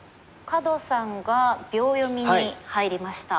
角さんが秒読みに入りました